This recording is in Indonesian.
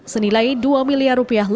senilai dua miliar rupiah